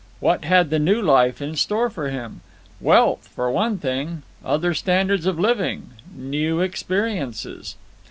What had the new life in store for him? Wealth for one thing—other standards of living—new experiences.